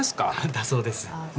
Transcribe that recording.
だそうです。